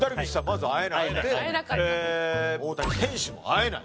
まず会えなくて大谷選手も会えない。